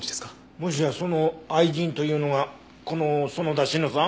もしやその愛人というのがこの園田志乃さん？